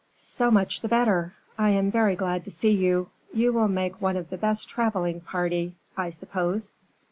"So much the better, I am very glad to see you. You will make one of the best traveling party, I suppose?"